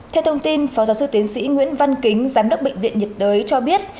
theo thông tin phó giáo sư tiến sĩ nguyễn văn kính giám đốc bệnh viện nhiệt đới cho biết